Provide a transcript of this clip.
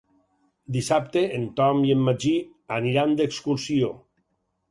Dissabte en Tom i en Magí aniran d'excursió.